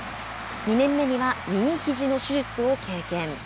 ２年目には右ひじの手術を経験。